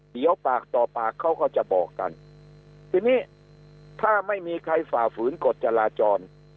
เดี๋ยวปากต่อปากเขาก็จะบอกกันทีนี้ถ้าไม่มีใครฝ่าฝืนกฎจราจร